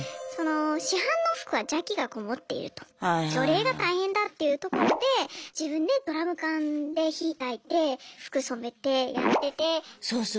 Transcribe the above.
市販の服は邪気がこもっていると除霊が大変だっていうところで自分でドラム缶で火たいて服染めてやってて。